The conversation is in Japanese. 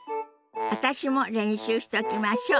私も練習しときましょ。